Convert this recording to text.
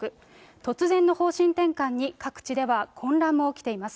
突然の方針転換に、各地では混乱も起きています。